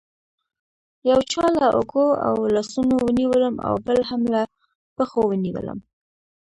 یو چا له اوږو او لاسونو ونیولم او بل هم له پښو ونیولم.